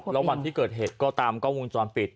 แล้ววันที่เกิดเหตุก็ตามกล้องวงจรปิด